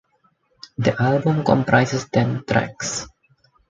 The album comprises ten tracks.